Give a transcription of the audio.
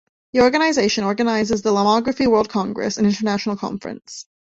The organisation organises the Lomography World Congress, an international conference.